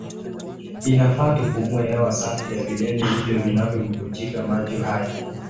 Inafaa tupumue hewa safi ya vilele hivyo vinavyobubujika maji hai.